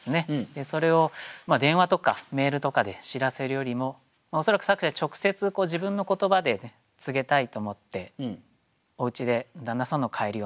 それを電話とかメールとかで知らせるよりも恐らく作者は直接自分の言葉で告げたいと思っておうちで旦那さんの帰りを待ってる。